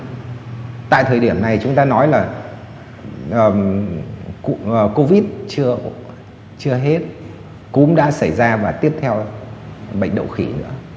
nhưng mà tại thời điểm này chúng ta nói là covid chưa hết cúm đã xảy ra và tiếp theo là bệnh đậu khỉ nữa